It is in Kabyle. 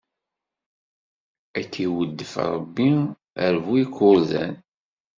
Ad k-iweddef Ṛebbi ar bu ikurdan!